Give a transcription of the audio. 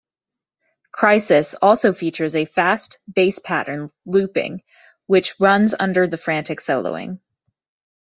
"Crisis" also features a fast, bass pattern looping, which runs under the frantic soloing.